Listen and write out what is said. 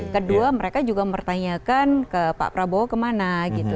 kedua mereka juga mempertanyakan ke pak prabowo kemana gitu